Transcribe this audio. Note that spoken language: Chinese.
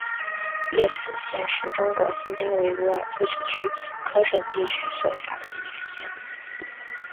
叶城县是中国新疆维吾尔自治区喀什地区所辖的一个县。